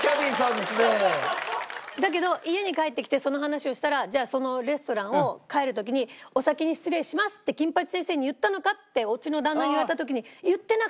だけど家に帰ってきてその話をしたらじゃあそのレストランを帰る時に「お先に失礼します」って金八先生に言ったのかってうちの旦那に言われた時に言ってなかったの。